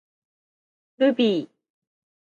ルビー